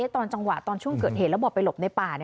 ตอนจังหวะตอนช่วงเกิดเหตุแล้วบอกไปหลบในป่า